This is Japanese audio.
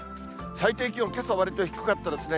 最低気温、けさ、わりと低かったですね。